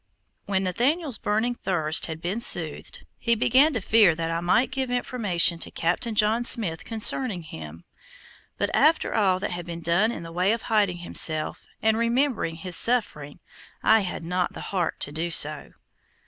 When Nathaniel's burning thirst had been soothed, he began to fear that I might give information to Captain John Smith concerning him; but after all that had been done in the way of hiding himself, and remembering his suffering, I had not the heart so to do.